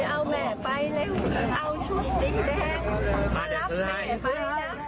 เอาแม่ไปแล้วเอาชุดสีแดงมารับแม่ไป